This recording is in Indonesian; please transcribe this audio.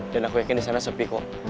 dan aku yakin di sana sepi kok